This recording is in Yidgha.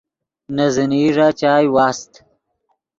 نے زینئی ݱا چائے واست